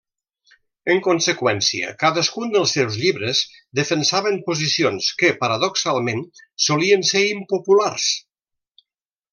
En conseqüència, cadascun dels seus llibres defensaven posicions que, paradoxalment, solien ser impopulars.